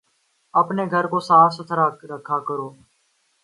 اپنے گھر کو صاف ستھرا رکھا کرو